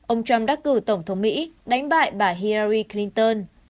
ông trump đắc cử tổng thống mỹ đánh bại bà hillary clinton